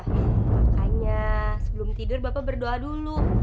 makanya sebelum tidur bapak berdoa dulu